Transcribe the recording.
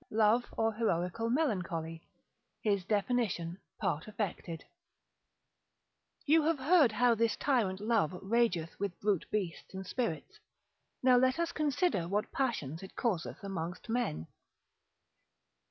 Love, or Heroical Melancholy, his definition, part affected_. You have heard how this tyrant Love rageth with brute beasts and spirits; now let us consider what passions it causeth amongst men.